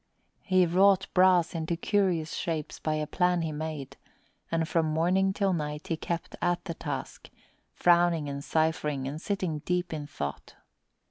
He wrought brass into curious shapes by a plan he made, and from morning till night he kept at the task, frowning and ciphering and sitting deep in thought.